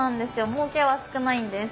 もうけは少ないんです。